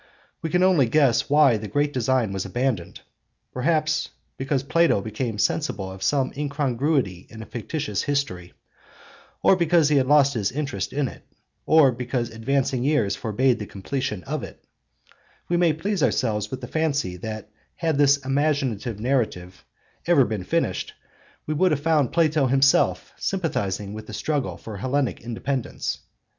We can only guess why the great design was abandoned; perhaps because Plato became sensible of some incongruity in a fictitious history, or because he had lost his interest in it, or because advancing years forbade the completion of it; and we may please ourselves with the fancy that had this imaginary narrative ever been finished, we should have found Plato himself sympathising with the struggle for Hellenic independence (cp.